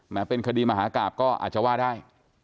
เป็นคดีมหากราบก็อาจจะว่าได้